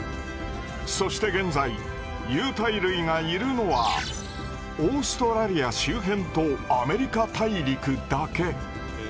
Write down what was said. そして現在有袋類がいるのはオーストラリア周辺とアメリカ大陸だけ。